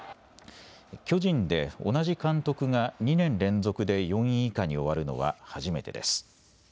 巨人で同じ監督が２年連続で４位以下に終わるのは初めてです。